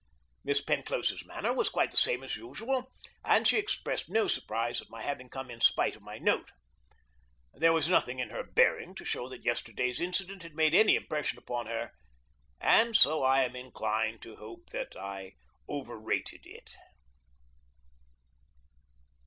Miss Penclosa's manner was quite the same as usual, and she expressed no surprise at my having come in spite of my note. There was nothing in her bearing to show that yesterday's incident had made any impression upon her, and so I am inclined to hope that I overrated it.